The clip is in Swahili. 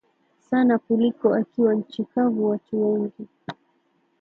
sana kuliko akiwa nchi kavu Watu wengi